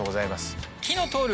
火の通る